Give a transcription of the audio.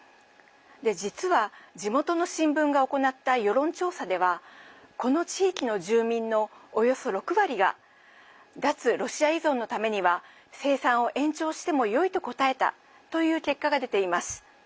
実は、地元の新聞が行った世論調査ではこの地域の住民の、およそ６割が脱ロシア依存のためには生産を延長してもよいと答えたという結果が出ています。